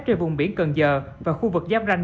trên vùng biển cần giờ và khu vực giáp ranh